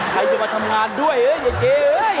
ใครจะมาทำงานด้วยเฮ้ยเจ๊